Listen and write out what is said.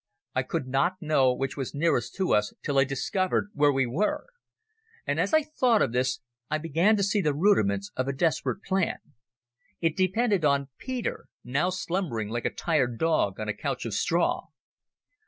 I could not know which was nearest to us till I discovered where we were. And as I thought of this I began to see the rudiments of a desperate plan. It depended on Peter, now slumbering like a tired dog on a couch of straw.